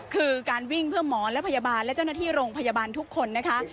คือการวิ่งเพื่อหมอและพยาบาลและเจ้าหน้าที่โรงพยาบาลทุกคนนะคะ